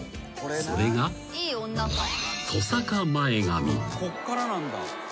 ［それが］こっからなんだ。